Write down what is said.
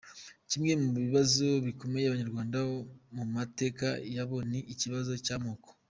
Kimwe mu bibazo bikomereye Abanyarwanda mu mateka ya bo ni ikibazo cy’amoko.